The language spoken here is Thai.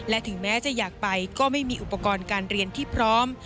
และถึงแม้จะอยากไปก็ไม่มีอุปกรณ์การเรียนที่พร้อม